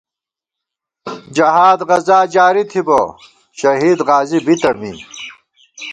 جہاد غزا جاری تھِبہ ، شہید غازی بِتہ می